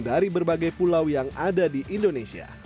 dari berbagai pulau yang ada di indonesia